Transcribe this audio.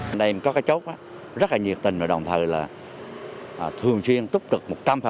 anh em có cái chốt rất là nhiệt tình và đồng thời là thường xuyên túc trực một trăm linh